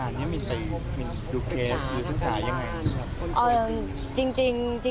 ดูเคสอะไรอย่างไร